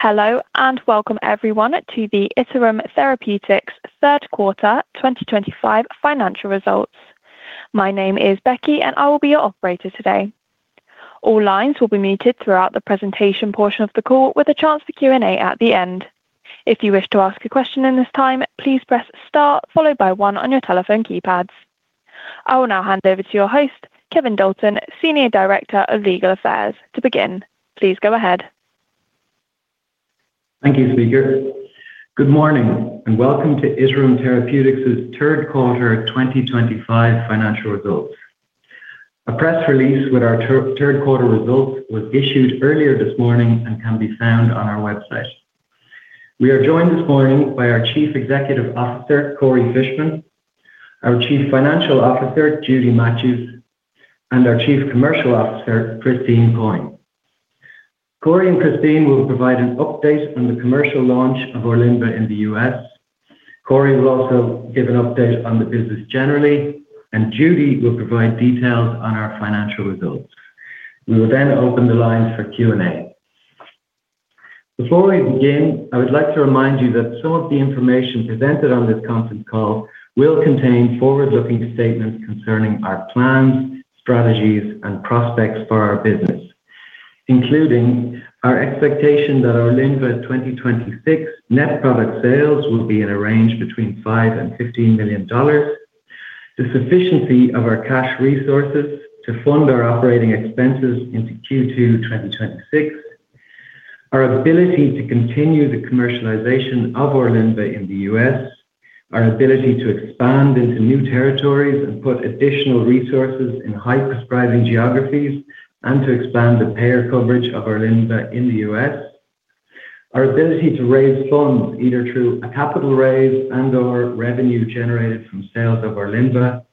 Hello and welcome everyone to the Iterum Therapeutics third quarter 2025 financial results. My name is Becky, and I will be your operator today. All lines will be muted throughout the presentation portion of the call, with a chance for Q&A at the end. If you wish to ask a question in this time, please press Star, followed by 1 on your telephone keypads. I will now hand over to your host, Kevin Dalton, Senior Director of Legal Affairs, to begin. Please go ahead. Thank you, Speaker. Good morning and welcome to Iterum Therapeutics third quarter 2025 financial results. A press release with our third quarter results was issued earlier this morning and can be found on our website. We are joined this morning by our Chief Executive Officer, Corey Fishman, our Chief Financial Officer, Judy Matthews, and our Chief Commercial Officer, Christine Coyne. Corey and Christine will provide an update on the commercial launch of Orlynvah in the United States. Corey will also give an update on the business generally, and Judy will provide details on our financial results. We will then open the lines for Q&A. Before we begin, I would like to remind you that some of the information presented on this conference call will contain forward-looking statements concerning our plans, strategies, and prospects for our business, including our expectation that Orlyvnah 2026 net product sales will be in a range between $5 million and $15 million, the sufficiency of our cash resources to fund our operating expenses into Q2 2026, our ability to continue the commercialization of Orlynvah in the U.S., our ability to expand into new territories and put additional resources in high-prescribing geographies, and to expand the payer coverage of Orlynvah in the U.S., our ability to raise funds either through a capital raise and/or revenue generated from sales of Orlynvah,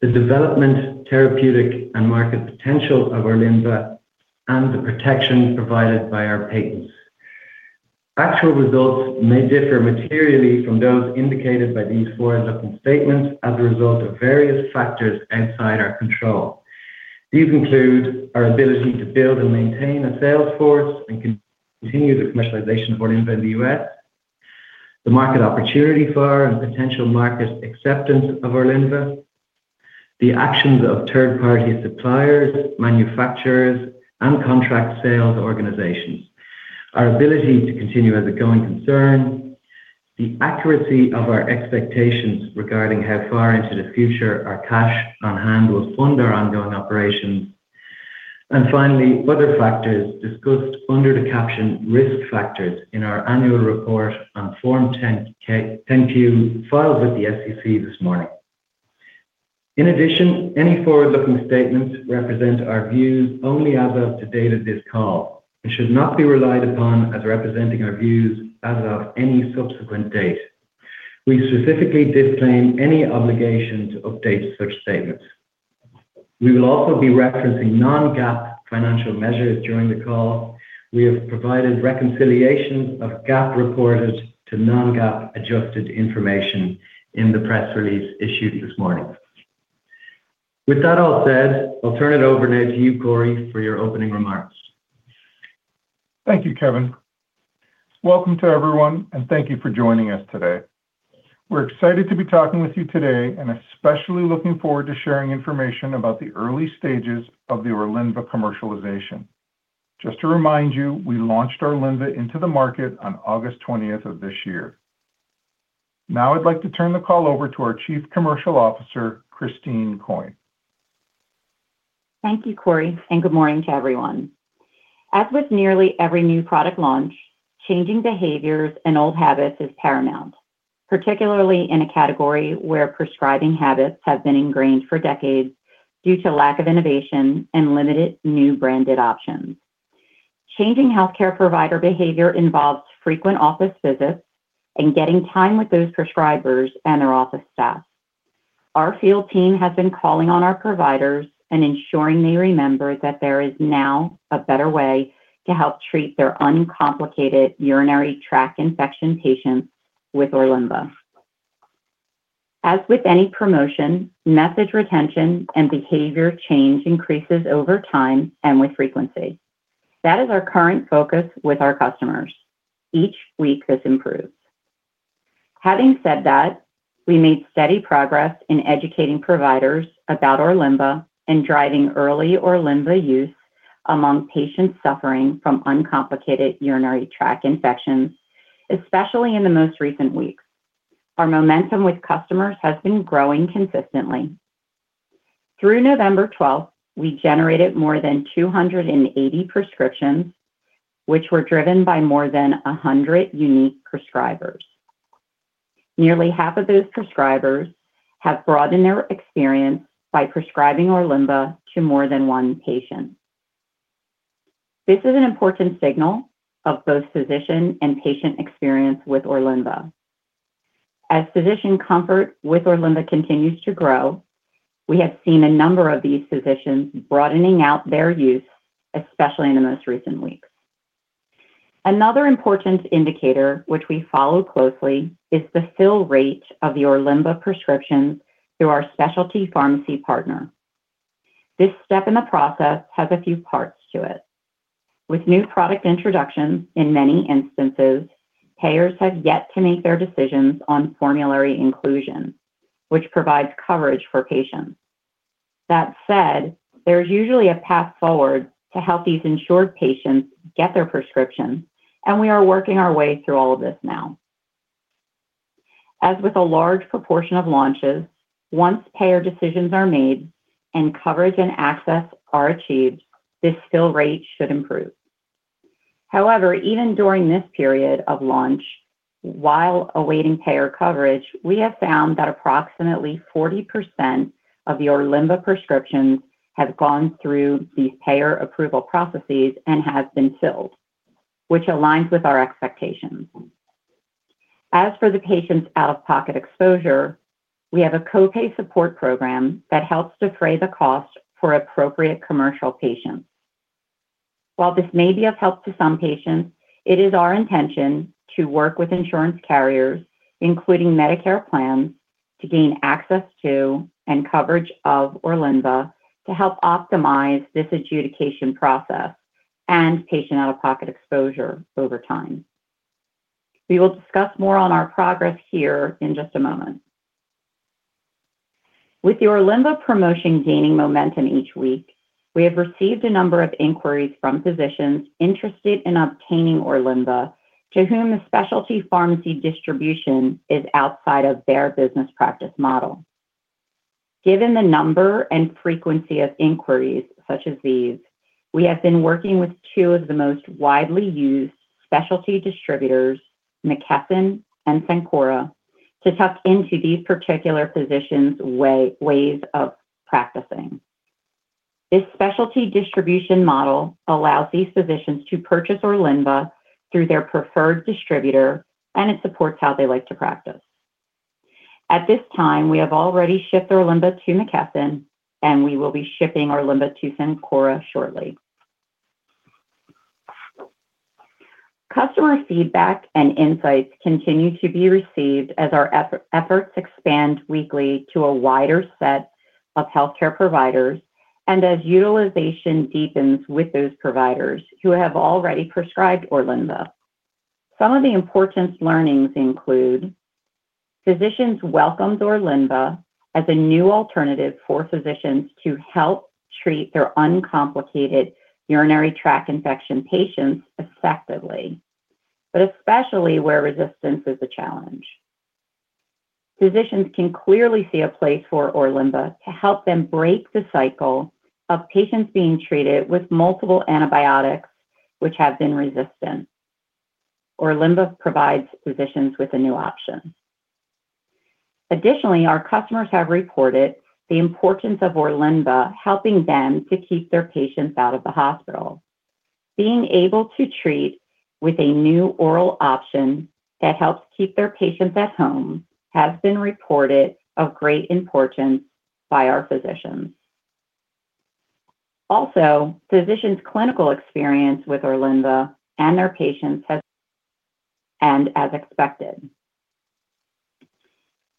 the development, therapeutic, and market potential of Orlynvah, and the protection provided by our patents. Actual results may differ materially from those indicated by these forward-looking statements as a result of various factors outside our control. These include our ability to build and maintain a sales force and continue the commercialization of Orlynvah in the United States, the market opportunity for and potential market acceptance of Orlynvah, the actions of third-party suppliers, manufacturers, and contract sales organizations, our ability to continue as a going concern, the accuracy of our expectations regarding how far into the future our cash on hand will fund our ongoing operations, and finally, other factors discussed under the caption Risk Factors in our annual report on Form 10Q filed with the SEC this morning. In addition, any forward-looking statements represent our views only as of the date of this call and should not be relied upon as representing our views as of any subsequent date. We specifically disclaim any obligation to update such statements. We will also be referencing non-GAAP financial measures during the call. We have provided reconciliation of GAAP reported to non-GAAP adjusted information in the press release issued this morning. With that all said, I'll turn it over now to you, Corey, for your opening remarks. Thank you, Kevin. Welcome to everyone, and thank you for joining us today. We're excited to be talking with you today and especially looking forward to sharing information about the early stages of the Orlynvah commercialization. Just to remind you, we launched Orlynvah into the market on August 20th of this year. Now I'd like to turn the call over to our Chief Commercial Officer, Christine Coyne. Thank you, Corey, and good morning to everyone. As with nearly every new product launch, changing behaviors and old habits is paramount, particularly in a category where prescribing habits have been ingrained for decades due to lack of innovation and limited new branded options. Changing healthcare provider behavior involves frequent office visits and getting time with those prescribers and their office staff. Our field team has been calling on our providers and ensuring they remember that there is now a better way to help treat their uncomplicated urinary tract infection patients with Orlynvah. As with any promotion, message retention and behavior change increases over time and with frequency. That is our current focus with our customers. Each week this improves. Having said that, we made steady progress in educating providers about Orlynvah and driving early Orlynvah use among patients suffering from uncomplicated urinary tract infections, especially in the most recent weeks. Our momentum with customers has been growing consistently. Through November 12th, we generated more than 280 prescriptions, which were driven by more than 100 unique prescribers. Nearly half of those prescribers have broadened their experience by prescribing Orlynvah to more than one patient. This is an important signal of both physician and patient experience with Orlynvah. As physician comfort with Orlynvah continues to grow, we have seen a number of these physicians broadening out their use, especially in the most recent weeks. Another important indicator, which we follow closely, is the fill rate of the Orlynvah prescriptions through our specialty pharmacy partner. This step in the process has a few parts to it. With new product introductions, in many instances, payers have yet to make their decisions on formulary inclusion, which provides coverage for patients. That said, there is usually a path forward to help these insured patients get their prescription, and we are working our way through all of this now. As with a large proportion of launches, once payer decisions are made and coverage and access are achieved, this fill rate should improve. However, even during this period of launch, while awaiting payer coverage, we have found that approximately 40% of the Orlynvah prescriptions have gone through these payer approval processes and have been filled, which aligns with our expectations. As for the patients' out-of-pocket exposure, we have a copay support program that helps defray the cost for appropriate commercial patients. While this may be of help to some patients, it is our intention to work with insurance carriers, including Medicare plans, to gain access to and coverage of Orlynvah to help optimize this adjudication process and patient out-of-pocket exposure over time. We will discuss more on our progress here in just a moment. With the Orlynvah promotion gaining momentum each week, we have received a number of inquiries from physicians interested in obtaining Orlynvah to whom the specialty pharmacy distribution is outside of their business practice model. Given the number and frequency of inquiries such as these, we have been working with two of the most widely used specialty distributors, McKesson and Cencora, to tuck into these particular physicians' ways of practicing. This specialty distribution model allows these physicians to purchase Orlynvah through their preferred distributor, and it supports how they like to practice. At this time, we have already shipped Orlynvah to McKesson, and we will be shipping Orlynvah to Cencora shortly. Customer feedback and insights continue to be received as our efforts expand weekly to a wider set of healthcare providers and as utilization deepens with those providers who have already prescribed Orlynvah. Some of the important learnings include physicians welcomed Orlynvah as a new alternative for physicians to help treat their uncomplicated urinary tract infection patients effectively, but especially where resistance is a challenge. Physicians can clearly see a place for Orlynvah to help them break the cycle of patients being treated with multiple antibiotics, which have been resistant. Orlynvah provides physicians with a new option. Additionally, our customers have reported the importance of Orlynvah helping them to keep their patients out of the hospital. Being able to treat with a new oral option that helps keep their patients at home has been reported of great importance by our physicians. Also, physicians' clinical experience with Orlynvah and their patients has improved and is expected.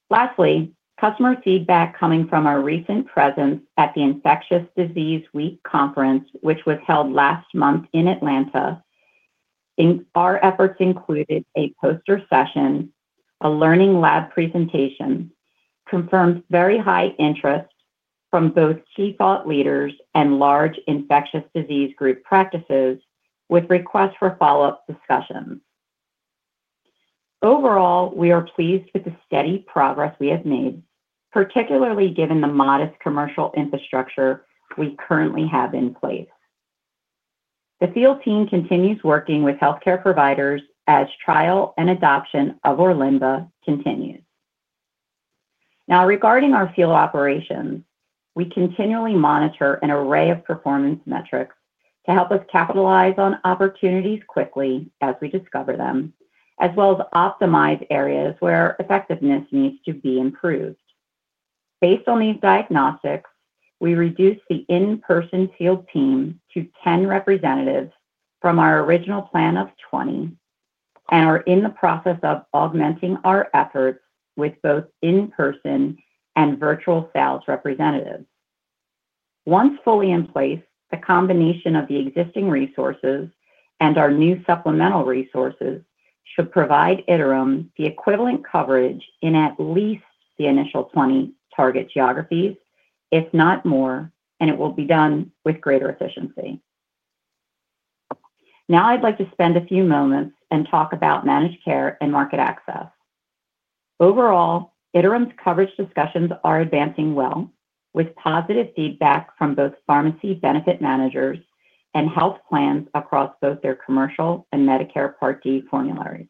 Lastly, customer feedback coming from our recent presence at the Infectious Disease Week conference, which was held last month in Atlanta. Our efforts included a poster session, a learning lab presentation, confirmed very high interest from both key thought leaders and large infectious disease group practices with requests for follow-up discussions. Overall, we are pleased with the steady progress we have made, particularly given the modest commercial infrastructure we currently have in place. The field team continues working with healthcare providers as trial and adoption of Orlynvah continues. Now, regarding our field operations, we continually monitor an array of performance metrics to help us capitalize on opportunities quickly as we discover them, as well as optimize areas where effectiveness needs to be improved. Based on these diagnostics, we reduced the in-person field team to 10 representatives from our original plan of 20 and are in the process of augmenting our efforts with both in-person and virtual sales representatives. Once fully in place, the combination of the existing resources and our new supplemental resources should provide Iterum the equivalent coverage in at least the initial 20 target geographies, if not more, and it will be done with greater efficiency. Now I'd like to spend a few moments and talk about managed care and market access. Overall, Iterum coverage discussions are advancing well with positive feedback from both pharmacy benefit managers and health plans across both their commercial and Medicare Part D formularies.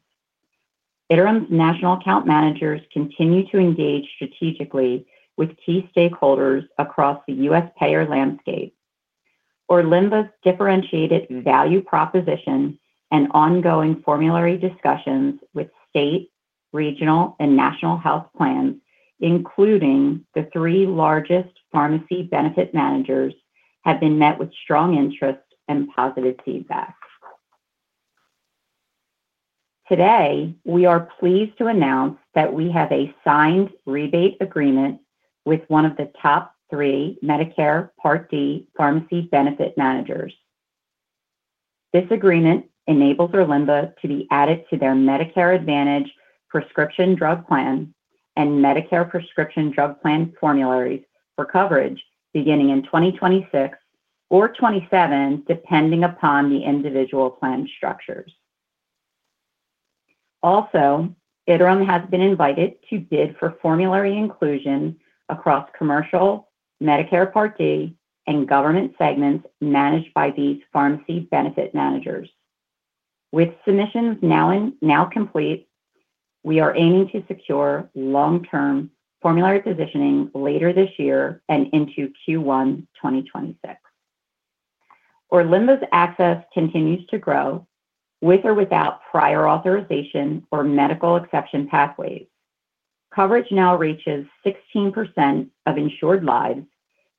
Iterum national account managers continue to engage strategically with key stakeholders across the U.S. payer landscape. Orlynvah's differentiated value proposition and ongoing formulary discussions with state, regional, and national health plans, including the three largest pharmacy benefit managers, have been met with strong interest and positive feedback. Today, we are pleased to announce that we have a signed rebate agreement with one of the top three Medicare Part D pharmacy benefit managers. This agreement enables Orlynvah to be added to their Medicare Advantage prescription drug plan and Medicare prescription drug plan formularies for coverage beginning in 2026 or 2027, depending upon the individual plan structures. Also, Iterum has been invited to bid for formulary inclusion across commercial, Medicare Part D, and government segments managed by these pharmacy benefit managers. With submissions now complete, we are aiming to secure long-term formulary positioning later this year and into Q1 2026. Orlynvah's access continues to grow with or without prior authorization or medical exception pathways. Coverage now reaches 16% of insured lives,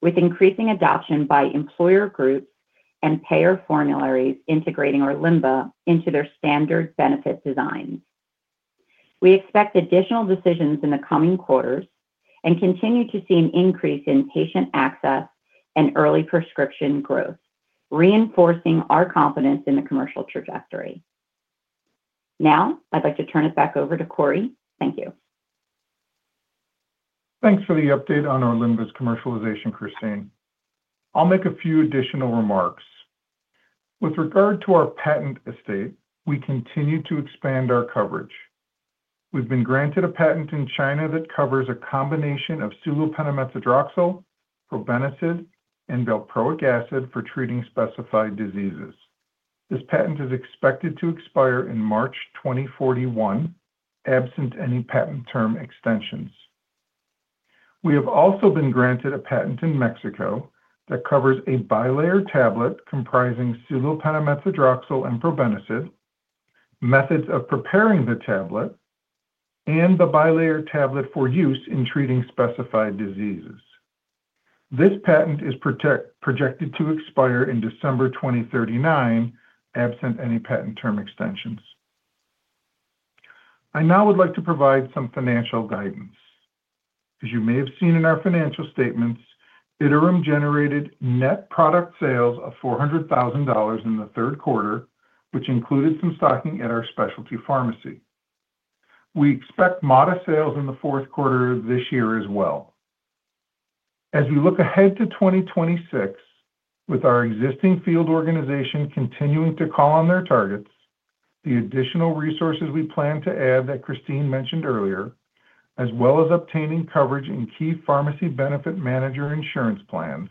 with increasing adoption by employer groups and payer formularies integrating Orlynvah into their standard benefit designs. We expect additional decisions in the coming quarters and continue to see an increase in patient access and early prescription growth, reinforcing our confidence in the commercial trajectory. Now, I'd like to turn it back over to Corey. Thank you. Thanks for the update on Orlynvah's commercialization, Christine. I'll make a few additional remarks. With regard to our patent estate, we continue to expand our coverage. We've been granted a patent in China that covers a combination of sulopenem etzadroxil, probenecid, and valproic acid for treating specified diseases. This patent is expected to expire in March 2041, absent any patent term extensions. We have also been granted a patent in Mexico that covers a bilayer tablet comprising sulopenem etzadroxil and probenecid, methods of preparing the tablet, and the bilayer tablet for use in treating specified diseases. This patent is projected to expire in December 2039, absent any patent term extensions. I now would like to provide some financial guidance. As you may have seen in our financial statements, Iterum generated net product sales of $400,000 in the third quarter, which included some stocking at our specialty pharmacy. We expect modest sales in the fourth quarter of this year as well. As we look ahead to 2026, with our existing field organization continuing to call on their targets, the additional resources we plan to add that Christine mentioned earlier, as well as obtaining coverage in key pharmacy benefit manager insurance plans,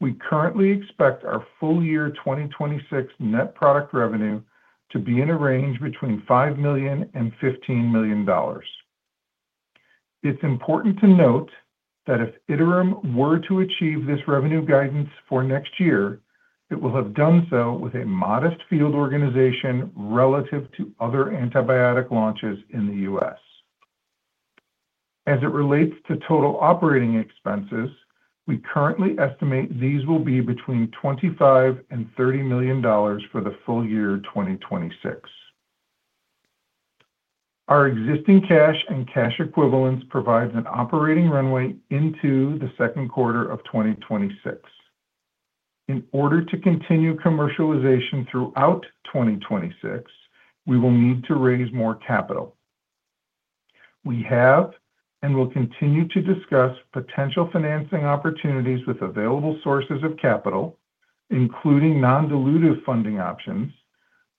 we currently expect our full year 2026 net product revenue to be in a range between $5 million and $15 million. It's important to note that if Iterum were to achieve this revenue guidance for next year, it will have done so with a modest field organization relative to other antibiotic launches in the U.S. As it relates to total operating expenses, we currently estimate these will be between $25 million and $30 million for the full year 2026. Our existing cash and cash equivalents provide an operating runway into the second quarter of 2026. In order to continue commercialization throughout 2026, we will need to raise more capital. We have and will continue to discuss potential financing opportunities with available sources of capital, including non-dilutive funding options,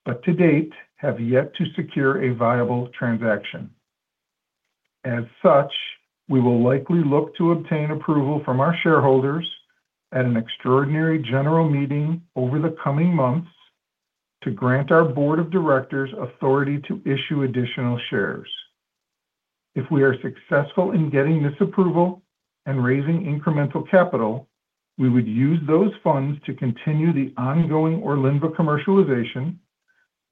but to date have yet to secure a viable transaction. As such, we will likely look to obtain approval from our shareholders at an extraordinary general meeting over the coming months to grant our board of directors authority to issue additional shares. If we are successful in getting this approval and raising incremental capital, we would use those funds to continue the ongoing Orlynvah commercialization,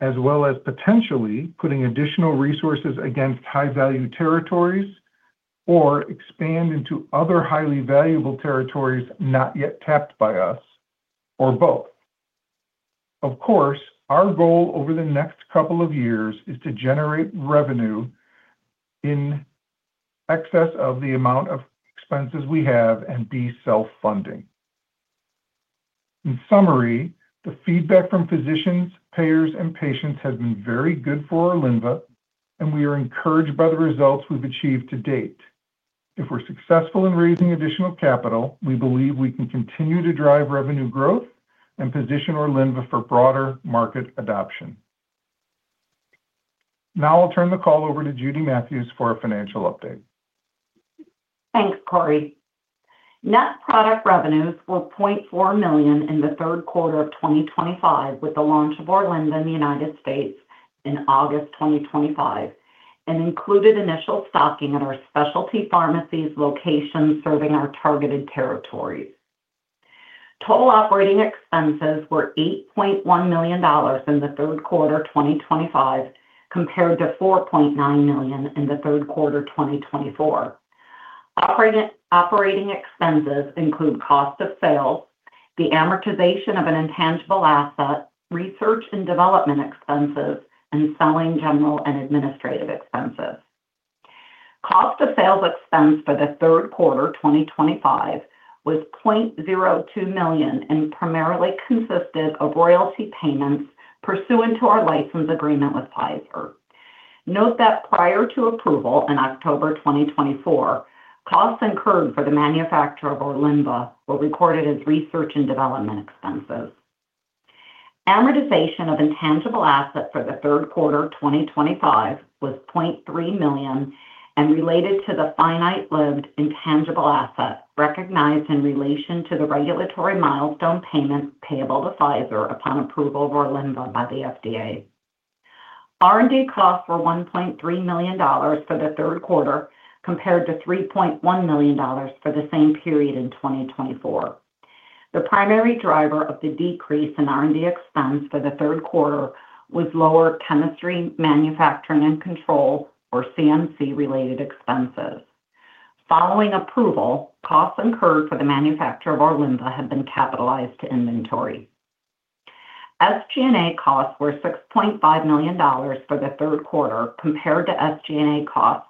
as well as potentially putting additional resources against high-value territories or expand into other highly valuable territories not yet tapped by us, or both. Of course, our goal over the next couple of years is to generate revenue in excess of the amount of expenses we have and be self-funding. In summary, the feedback from physicians, payers, and patients has been very good for Orlynvah, and we are encouraged by the results we've achieved to date. If we're successful in raising additional capital, we believe we can continue to drive revenue growth and position Orlynvah for broader market adoption. Now I'll turn the call over to Judy Matthews for a financial update. Thanks, Corey. Net product revenues were $0.4 million in the third quarter of 2025 with the launch of Orlynvah in the United States in August 2025 and included initial stocking at our specialty pharmacies' locations serving our targeted territories. Total operating expenses were $8.1 million in the third quarter 2025 compared to $4.9 million in the third quarter 2024. Operating expenses include cost of sales, the amortization of an intangible asset, research and development expenses, and selling, general and administrative expenses. Cost of sales expense for the third quarter 2025 was $0.02 million and primarily consisted of royalty payments pursuant to our license agreement with Pfizer. Note that prior to approval in October 2024, costs incurred for the manufacture of Orlynvah were recorded as research and development expenses. Amortization of intangible asset for the third quarter 2025 was $0.3 million and related to the finite-lived intangible asset recognized in relation to the regulatory milestone payment payable to Pfizer upon approval of Orlynvah by the FDA. R&D costs were $1.3 million for the third quarter compared to $3.1 million for the same period in 2024. The primary driver of the decrease in R&D expense for the third quarter was lower chemistry, manufacturing, and control, or CMC-related expenses. Following approval, costs incurred for the manufacture of Orlynvah have been capitalized to inventory. SG&A costs were $6.5 million for the third quarter compared to SG&A costs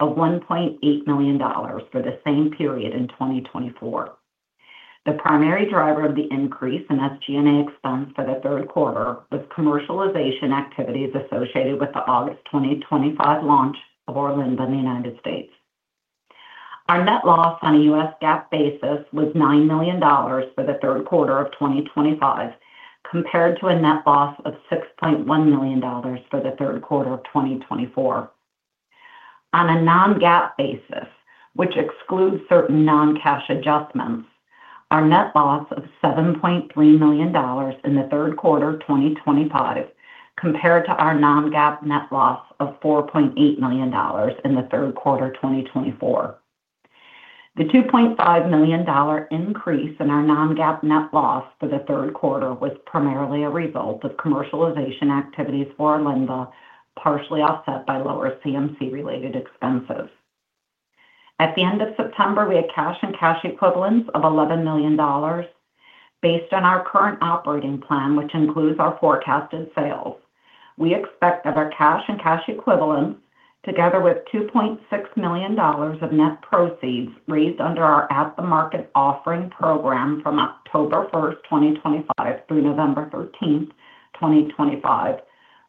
of $1.8 million for the same period in 2024. The primary driver of the increase in SG&A expense for the third quarter was commercialization activities associated with the August 2025 launch of Orlynvah in the United States. Our net loss on a U.S. GAAP basis was $9 million for the third quarter of 2025 compared to a net loss of $6.1 million for the third quarter of 2024. On a non-GAAP basis, which excludes certain non-cash adjustments, our net loss of $7.3 million in the third quarter 2025 compared to our non-GAAP net loss of $4.8 million in the third quarter 2024. The $2.5 million increase in our non-GAAP net loss for the third quarter was primarily a result of commercialization activities for Orlynvah, partially offset by lower CMC-related expenses. At the end of September, we had cash and cash equivalents of $11 million. Based on our current operating plan, which includes our forecasted sales, we expect that our cash and cash equivalents, together with $2.6 million of net proceeds raised under our At-the -market offering program from October 1, 2025, through November 13, 2025,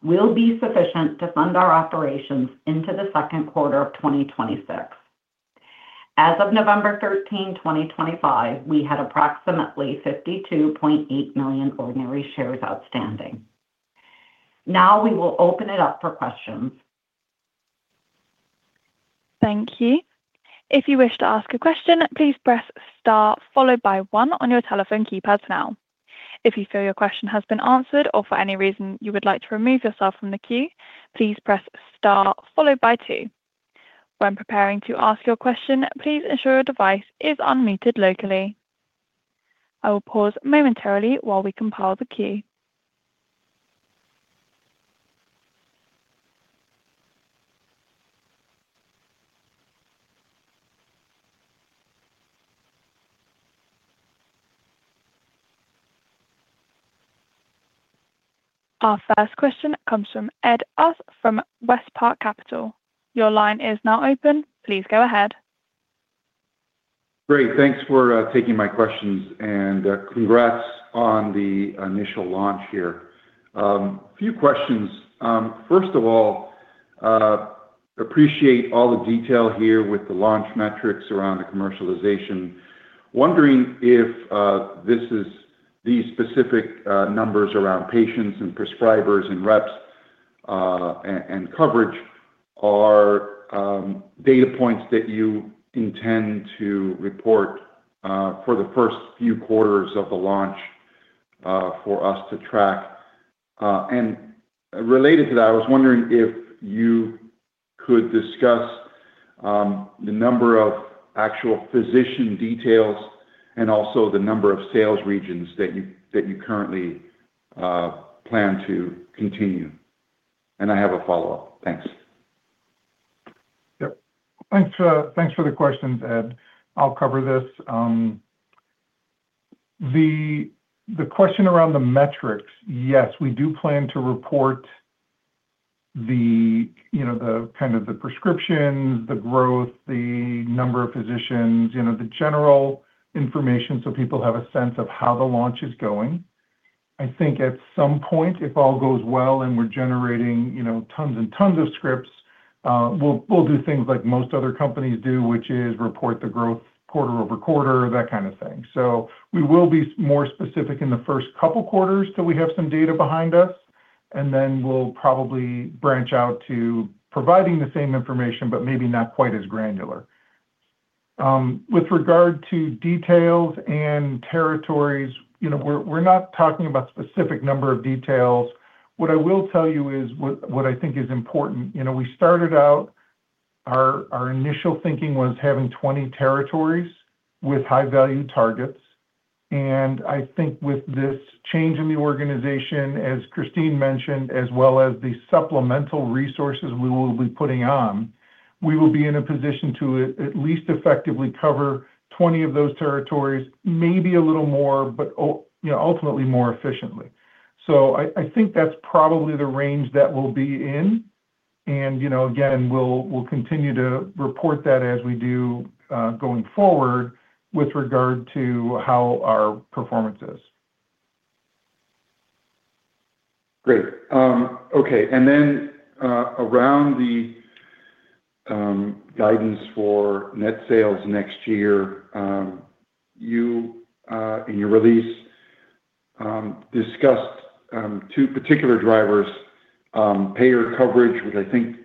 will be sufficient to fund our operations into the second quarter of 2026. As of November 13, 2025, we had approximately 52.8 million ordinary shares outstanding. Now we will open it up for questions. Thank you. If you wish to ask a question, please press Star, followed by 1 on your telephone keypad now. If you feel your question has been answered or for any reason you would like to remove yourself from the queue, please press Star, followed by 2. When preparing to ask your question, please ensure your device is unmuted locally. I will pause momentarily while we compile the queue. Our first question comes from Ed Oss from West Park Capital. Your line is now open. Please go ahead. Great. Thanks for taking my questions and congrats on the initial launch here. A few questions. First of all, appreciate all the detail here with the launch metrics around the commercialization. Wondering if these specific numbers around patients and prescribers and reps and coverage are data points that you intend to report for the first few quarters of the launch for us to track. Related to that, I was wondering if you could discuss the number of actual physician details and also the number of sales regions that you currently plan to continue. I have a follow-up. Thanks. Yep. Thanks for the questions, Ed. I'll cover this. The question around the metrics, yes, we do plan to report the kind of the prescriptions, the growth, the number of physicians, the general information so people have a sense of how the launch is going. I think at some point, if all goes well and we're generating tons and tons of scripts, we'll do things like most other companies do, which is report the growth quarter over quarter, that kind of thing. We will be more specific in the first couple of quarters till we have some data behind us, and then we'll probably branch out to providing the same information, but maybe not quite as granular. With regard to details and territories, we're not talking about a specific number of details. What I will tell you is what I think is important. We started out our initial thinking was having 20 territories with high-value targets. I think with this change in the organization, as Christine mentioned, as well as the supplemental resources we will be putting on, we will be in a position to at least effectively cover 20 of those territories, maybe a little more, but ultimately more efficiently. I think that's probably the range that we'll be in. Again, we'll continue to report that as we do going forward with regard to how our performance is. Great. Okay. Around the guidance for net sales next year, you in your release discussed two particular drivers: payer coverage, which I think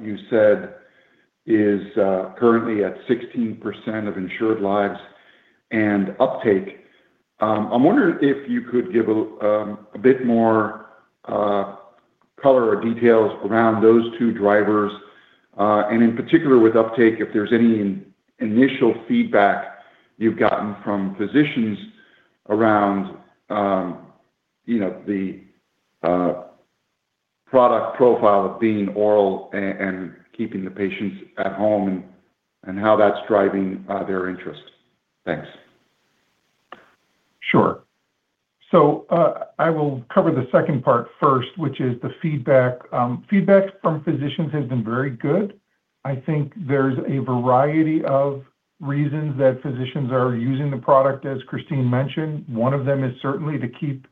you said is currently at 16% of insured lives, and uptake. I'm wondering if you could give a bit more color or details around those two drivers. In particular with uptake, if there's any initial feedback you've gotten from physicians around the product profile of being oral and keeping the patients at home and how that's driving their interest. Thanks. Sure. I will cover the second part first, which is the feedback. Feedback from physicians has been very good. I think there's a variety of reasons that physicians are using the product, as Christine mentioned. One of them is certainly to keep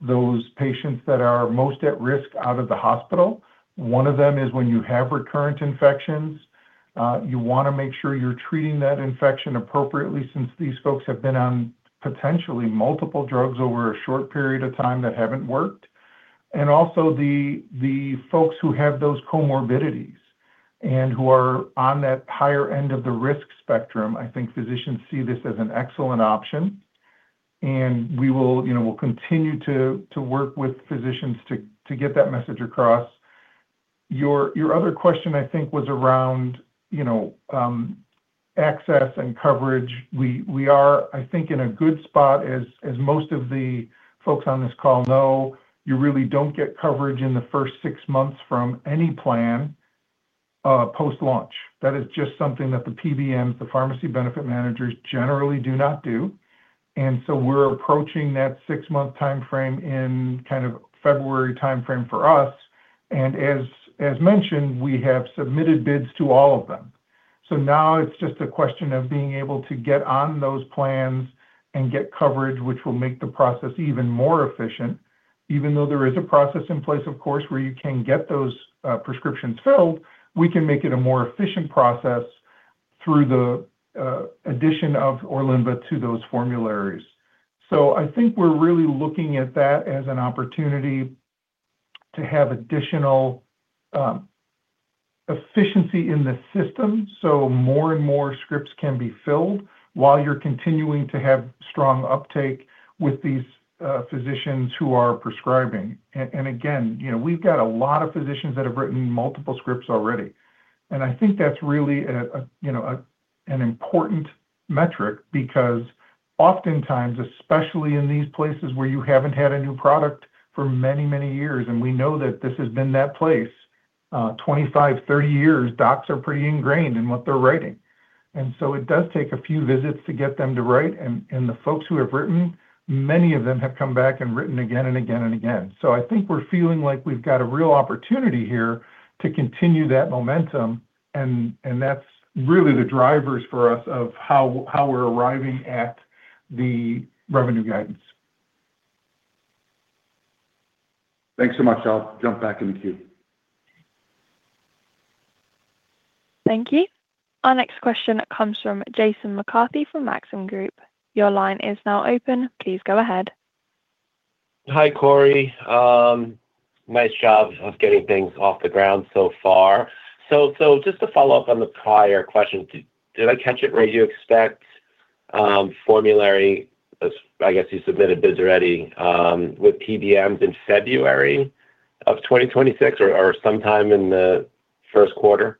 those patients that are most at risk out of the hospital. One of them is when you have recurrent infections, you want to make sure you're treating that infection appropriately since these folks have been on potentially multiple drugs over a short period of time that haven't worked. Also, the folks who have those comorbidities and who are on that higher end of the risk spectrum, I think physicians see this as an excellent option. We will continue to work with physicians to get that message across. Your other question, I think, was around access and coverage. We are, I think, in a good spot. As most of the folks on this call know, you really don't get coverage in the first six months from any plan post-launch. That is just something that the PBMs, the pharmacy benefit managers, generally do not do. We are approaching that six-month timeframe in kind of February timeframe for us. As mentioned, we have submitted bids to all of them. Now it is just a question of being able to get on those plans and get coverage, which will make the process even more efficient. Even though there is a process in place, of course, where you can get those prescriptions filled, we can make it a more efficient process through the addition of Orlynvah to those formularies. I think we're really looking at that as an opportunity to have additional efficiency in the system so more and more scripts can be filled while you're continuing to have strong uptake with these physicians who are prescribing. Again, we've got a lot of physicians that have written multiple scripts already. I think that's really an important metric because oftentimes, especially in these places where you haven't had a new product for many, many years, and we know that this has been that place 25-30 years, docs are pretty ingrained in what they're writing. It does take a few visits to get them to write. The folks who have written, many of them have come back and written again and again and again. I think we're feeling like we've got a real opportunity here to continue that momentum. That is really the drivers for us of how we're arriving at the revenue guidance. Thanks so much. I'll jump back in the queue. Thank you. Our next question comes from Jason McCarthy from Maxim Group. Your line is now open. Please go ahead. Hi, Corey. Nice job of getting things off the ground so far. Just to follow up on the prior question, did I catch it right? You expect formulary, I guess you submitted bids already with PBMs in February of 2026 or sometime in the first quarter?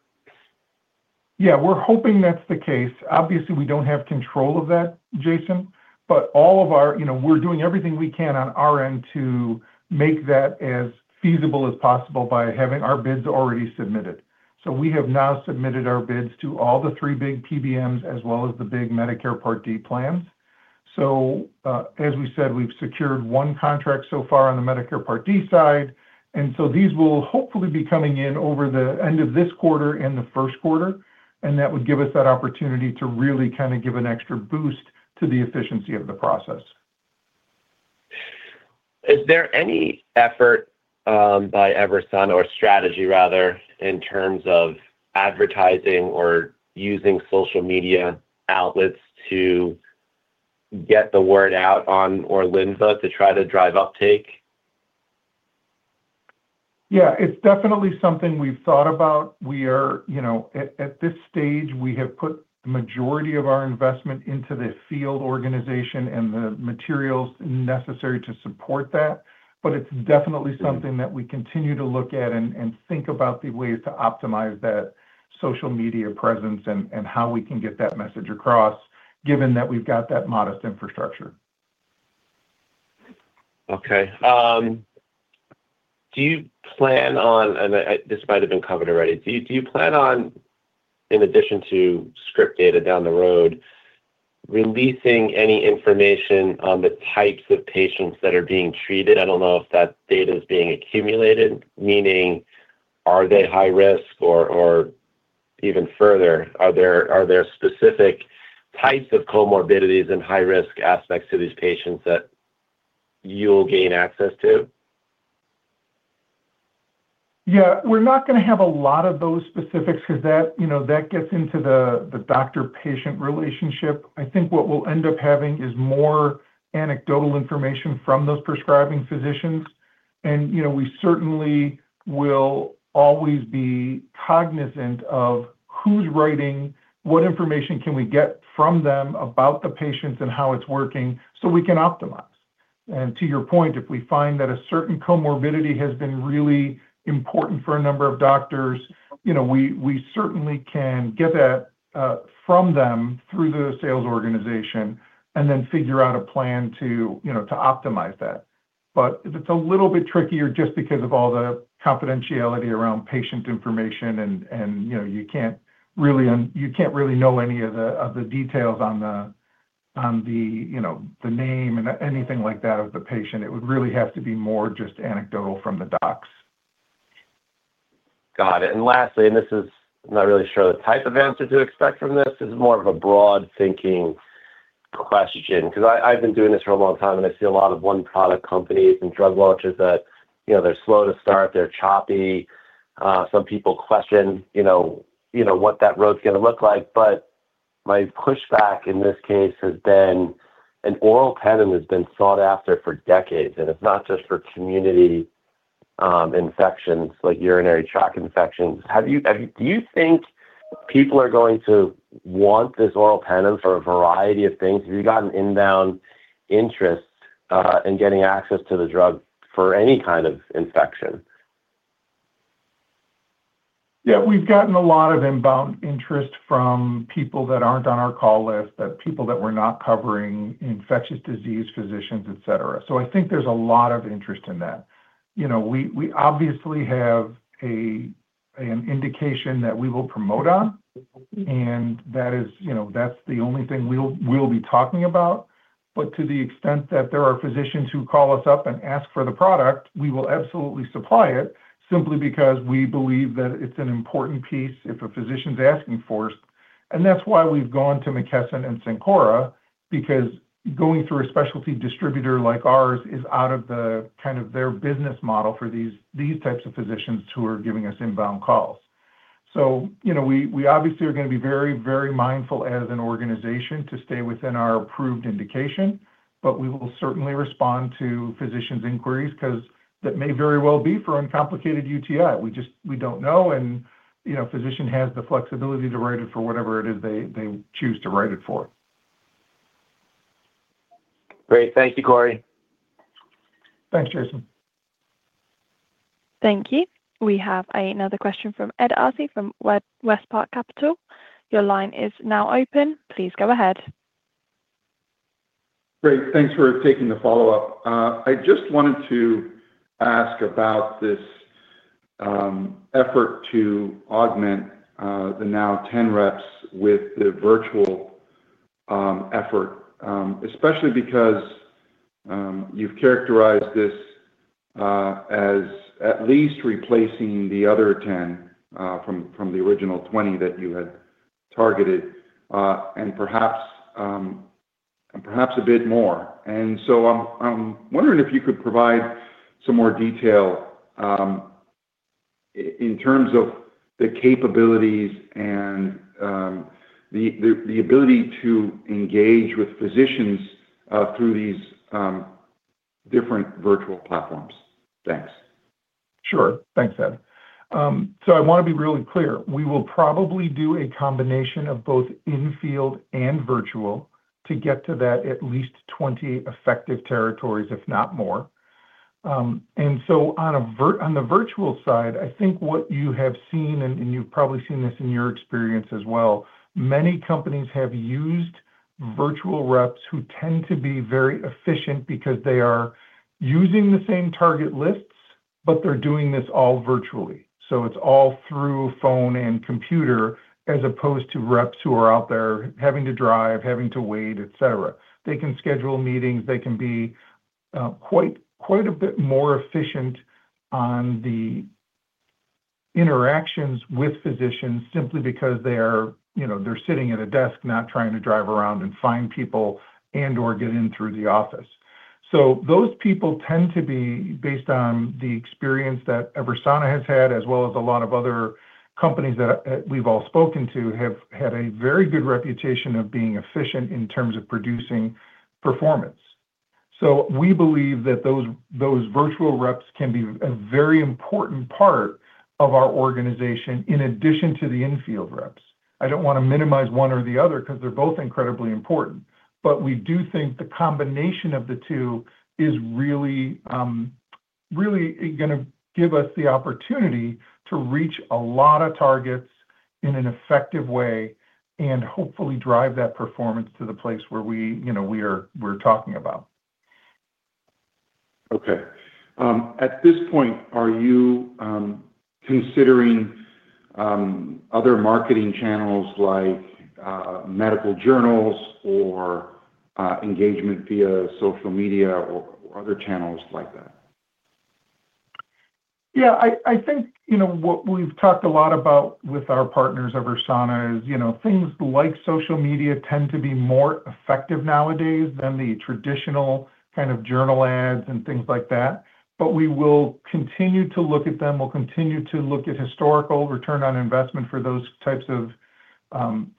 Yeah, we're hoping that's the case. Obviously, we don't have control of that, Jason, but all of our we're doing everything we can on our end to make that as feasible as possible by having our bids already submitted. We have now submitted our bids to all the three big PBMs as well as the big Medicare Part D plans. As we said, we've secured one contract so far on the Medicare Part D side. These will hopefully be coming in over the end of this quarter and the first quarter. That would give us that opportunity to really kind of give an extra boost to the efficiency of the process. Is there any effort by EVERSANA or strategy, rather, in terms of advertising or using social media outlets to get the word out on Orlynvah to try to drive uptake? Yeah, it's definitely something we've thought about. At this stage, we have put the majority of our investment into the field organization and the materials necessary to support that. It's definitely something that we continue to look at and think about the ways to optimize that social media presence and how we can get that message across, given that we've got that modest infrastructure. Okay. Do you plan on—and this might have been covered already—do you plan on, in addition to script data down the road, releasing any information on the types of patients that are being treated? I don't know if that data is being accumulated, meaning are they high risk or even further, are there specific types of comorbidities and high-risk aspects to these patients that you'll gain access to? Yeah. We're not going to have a lot of those specifics because that gets into the doctor-patient relationship. I think what we'll end up having is more anecdotal information from those prescribing physicians. We certainly will always be cognizant of who's writing, what information can we get from them about the patients and how it's working so we can optimize. To your point, if we find that a certain comorbidity has been really important for a number of doctors, we certainly can get that from them through the sales organization and then figure out a plan to optimize that. It's a little bit trickier just because of all the confidentiality around patient information. You can't really know any of the details on the name and anything like that of the patient. It would really have to be more just anecdotal from the docs. Got it. Lastly, and this is not really sure the type of answer to expect from this, this is more of a broad-thinking question because I've been doing this for a long time, and I see a lot of one-product companies and drug launches that they're slow to start, they're choppy. Some people question what that road's going to look like. My pushback in this case has been an oral pen has been sought after for decades. It's not just for community infections like urinary tract infections. Do you think people are going to want this oral pen for a variety of things? Have you gotten inbound interest in getting access to the drug for any kind of infection? Yeah. We've gotten a lot of inbound interest from people that aren't on our call list, people that we're not covering, infectious disease physicians, etc. I think there's a lot of interest in that. We obviously have an indication that we will promote on. That's the only thing we'll be talking about. To the extent that there are physicians who call us up and ask for the product, we will absolutely supply it simply because we believe that it's an important piece if a physician's asking for it. That's why we've gone to McKesson and Cencora because going through a specialty distributor like ours is out of kind of their business model for these types of physicians who are giving us inbound calls. We obviously are going to be very, very mindful as an organization to stay within our approved indication. We will certainly respond to physicians' inquiries because that may very well be for uncomplicated UTI. We don't know. A physician has the flexibility to write it for whatever it is they choose to write it for. Great. Thank you, Corey. Thanks, Jason. Thank you. We have another question from Ed Oss from West Park Capital. Your line is now open. Please go ahead. Great. Thanks for taking the follow-up. I just wanted to ask about this effort to augment the now 10 reps with the virtual effort, especially because you've characterized this as at least replacing the other 10 from the original 20 that you had targeted and perhaps a bit more. I am wondering if you could provide some more detail in terms of the capabilities and the ability to engage with physicians through these different virtual platforms. Thanks. Sure. Thanks, Ed. I want to be really clear. We will probably do a combination of both in-field and virtual to get to that at least 20 effective territories, if not more. On the virtual side, I think what you have seen, and you've probably seen this in your experience as well, many companies have used virtual reps who tend to be very efficient because they are using the same target lists, but they're doing this all virtually. It's all through phone and computer as opposed to reps who are out there having to drive, having to wait, etc. They can schedule meetings. They can be quite a bit more efficient on the interactions with physicians simply because they're sitting at a desk not trying to drive around and find people and/or get in through the office. Those people tend to be, based on the experience that EVERSANA has had, as well as a lot of other companies that we've all spoken to, have had a very good reputation of being efficient in terms of producing performance. We believe that those virtual reps can be a very important part of our organization in addition to the in-field reps. I do not want to minimize one or the other because they're both incredibly important. We do think the combination of the two is really going to give us the opportunity to reach a lot of targets in an effective way and hopefully drive that performance to the place where we're talking about. Okay. At this point, are you considering other marketing channels like medical journals or engagement via social media or other channels like that? Yeah. I think what we've talked a lot about with our partners at EVERSANA is things like social media tend to be more effective nowadays than the traditional kind of journal ads and things like that. We will continue to look at them. We'll continue to look at historical return on investment for those types of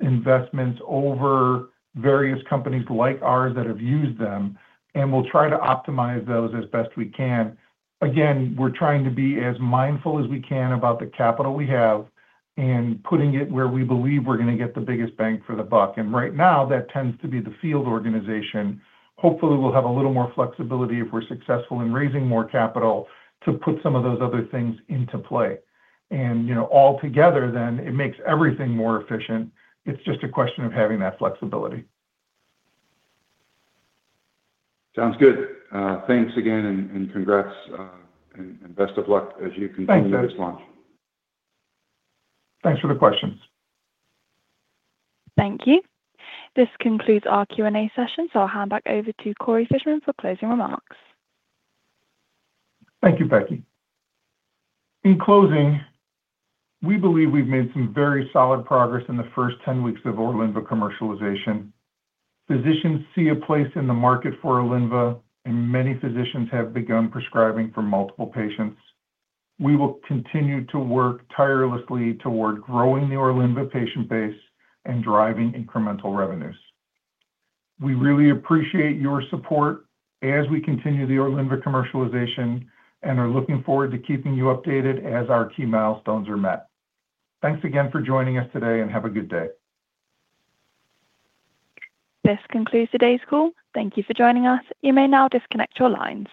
investments over various companies like ours that have used them. We'll try to optimize those as best we can. Again, we're trying to be as mindful as we can about the capital we have and putting it where we believe we're going to get the biggest bang for the buck. Right now, that tends to be the field organization. Hopefully, we'll have a little more flexibility if we're successful in raising more capital to put some of those other things into play. Altogether, then it makes everything more efficient. It's just a question of having that flexibility. Sounds good. Thanks again and congrats and best of luck as you continue this launch. Thanks. Thanks for the questions. Thank you. This concludes our Q&A session. I'll hand back over to Corey Fishman for closing remarks. Thank you, Becky. In closing, we believe we've made some very solid progress in the first 10 weeks of Orlynvah commercialization. Physicians see a place in the market for Orlynvah, and many physicians have begun prescribing for multiple patients. We will continue to work tirelessly toward growing the Orlynvah patient base and driving incremental revenues. We really appreciate your support as we continue the Orlynvah commercialization and are looking forward to keeping you updated as our key milestones are met. Thanks again for joining us today and have a good day. This concludes today's call. Thank you for joining us. You may now disconnect your lines.